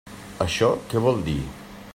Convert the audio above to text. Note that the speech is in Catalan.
Això què vol dir?